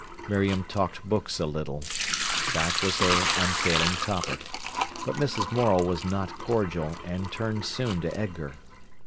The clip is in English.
Miriam talked books a little. That was her unfailing topic. But Mrs. Morel was not cordial, and turned soon to Edgar.